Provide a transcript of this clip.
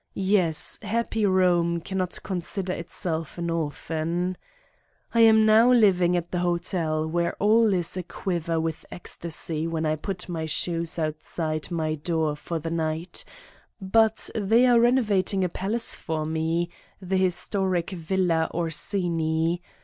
Y es> happy Rome cannot consider itself an orphan ! I am now living at the hotel, where all is aquiver with ecstacy when I put my shoes outside my door for the night, but they are renovating a palace for me : the historic Villa Orsini.